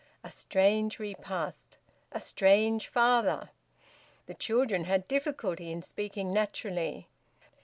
A strange repast! A strange father! The children had difficulty in speaking naturally.